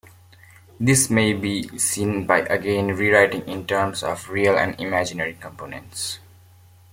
This may be seen by again rewriting in terms of real and imaginary components.